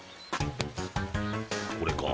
これか？